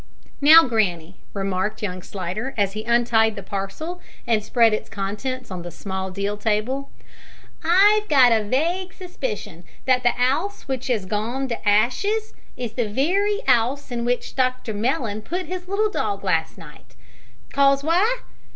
"Now, granny," remarked young Slidder, as he untied the parcel, and spread its contents on the small deal table, "I've got a wague suspicion that the 'ouse w'ich 'as gone to hashes is the wery 'ouse in w'ich Dr Mellon put his little dog last night. 'Cause why?